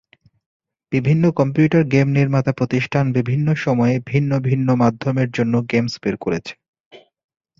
বিভিন্ন computer game নির্মাতা প্রতিষ্ঠান বিভিন্ন সময়ে ভিন্ন ভিন্ন মাধ্যমের জন্য গেমস বের করেছে।